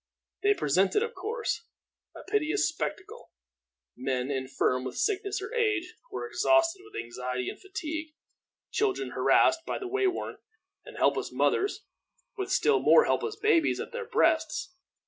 They presented, of course, a piteous spectacle men infirm with sickness or age, or exhausted with anxiety and fatigue; children harassed and way worn; and helpless mothers, with still more helpless babes at their breasts.